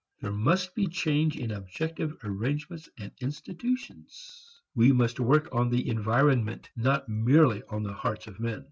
There must be change in objective arrangements and institutions. We must work on the environment not merely on the hearts of men.